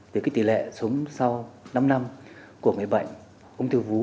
thì cái tỉ lệ sống sau năm năm của người bệnh ung thư vú